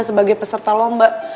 sebagai peserta lomba